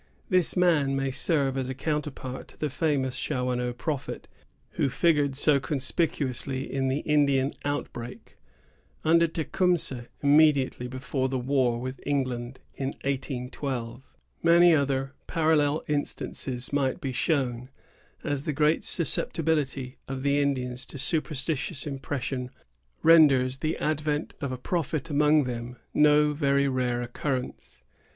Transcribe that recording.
This man may serve as a counterpart to the famous Shawanoe prophet, who figured so conspicuously in the Indian outbreak, under Tecumseh, immediately before the war with England in 1812. Many other parallel instances might be shown, as the great susceptibility of the Indians to superstitious impressions renders the advent of a prophet among them no very rare occurrence.